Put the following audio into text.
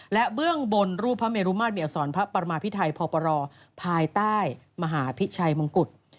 และเบื้องบนรูปพระเมรุมาตรมีอักษรพระประมาพิไทยพปรภายใต้มหาพิชัยมงกุฎ